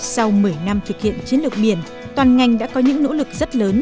sau một mươi năm thực hiện chiến lược biển toàn ngành đã có những nỗ lực rất lớn